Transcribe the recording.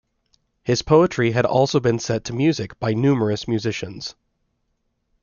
His poetry had also been set to music by numerous musicians.